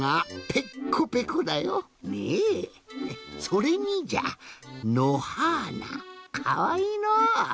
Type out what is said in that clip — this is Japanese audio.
それにじゃのはーなかわいいのう。